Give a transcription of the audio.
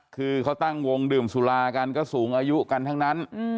คือเขาตั้งวงดื่มสุรากันก็สูงอายุกันทั้งนั้น